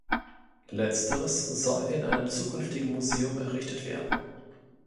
Letzteres soll in einem zukünftigen Museum errichtet werden.